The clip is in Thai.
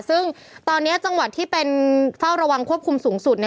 ซึ่งตอนนี้จังหวัดที่เป็นเฝ้าระวังควบคุมสูงสุด